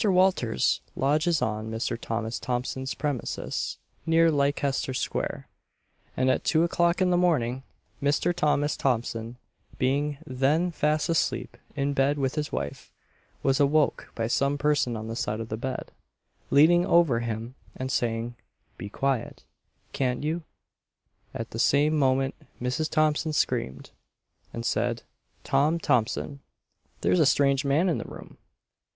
Walters lodges on Mr. Thomas Thompson's premises, near Leicester square, and at two o'clock in the morning, Mr. Thomas Thompson, being then fast asleep in bed with his wife, was awoke by some person on his side of the bed, leaning over him, and saying "Be quiet; can't you?" At the same moment Mrs. Thompson screamed, and said, "Tom Thompson, there's a strange man in the room!"